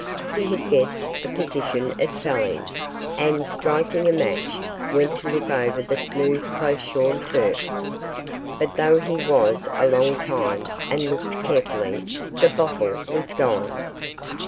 He had guessed the position it fell in, and, striking a match, went to look over the smooth close shorn turf. But though he was a long time, and looked carefully, the bottle was gone.